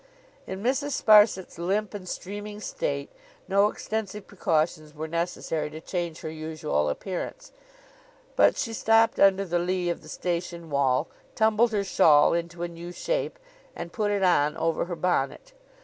In Mrs. Sparsit's limp and streaming state, no extensive precautions were necessary to change her usual appearance; but, she stopped under the lee of the station wall, tumbled her shawl into a new shape, and put it on over her bonnet.